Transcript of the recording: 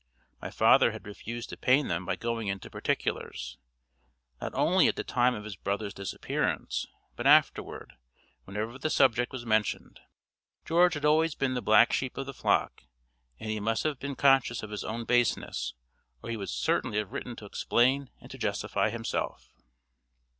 My father had refused to pain them by going into particulars, not only at the time of his brother's disappearance, but afterward, whenever the subject was mentioned. George had always been the black sheep of the flock, and he must have been conscious of his own baseness, or he would certainly have written to explain and to justify himself.